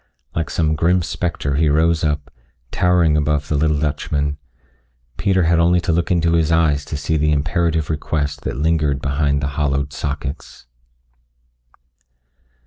Like some grim spectre he rose up, towering above the little Dutchman. Peter had only to look into his eyes to see the imperative request that lingered behind the hollowed sockets.